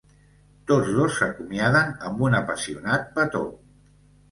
Tots dos s'acomiaden amb un apassionat petó.